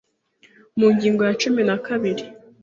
mu ngingo ya cumi na kabiri